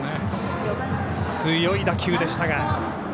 強い打球でしたが。